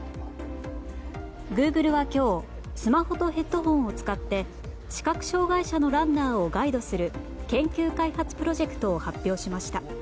グーグルは今日スマホとヘッドホンを使って視覚障害者のランナーをガイドする研究開発プロジェクトを発表しました。